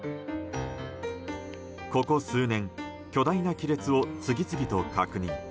ここ数年、巨大な亀裂を次々と確認。